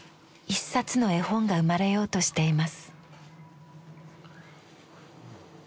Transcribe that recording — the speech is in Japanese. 一冊の絵本が生まれようとしています。